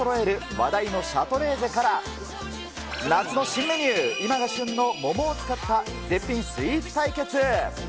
話題のシャトレーゼから、夏の新メニュー、今が旬の桃を使った絶品スイーツ対決。